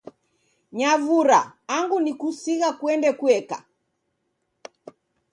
Nyavura angu nikusighe kuende kueka